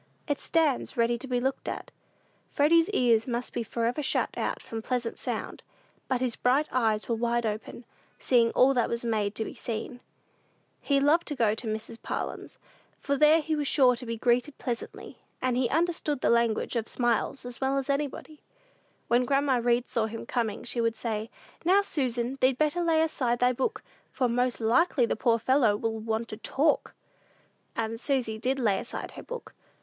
It stands ready to be looked at. Freddy's ears must be forever shut out from pleasant sound; but his bright eyes were wide open, seeing all that was made to be seen. He loved to go to Mrs. Parlin's, for there he was sure to be greeted pleasantly; and he understood the language of smiles as well as anybody. When grandma Read saw him coming she would say, "Now, Susan, thee'd better lay aside thy book, for most likely the poor little fellow will want to talk." And Susy did lay aside her book.